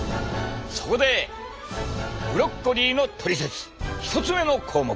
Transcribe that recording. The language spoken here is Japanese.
そこでブロッコリーのトリセツ１つ目の項目。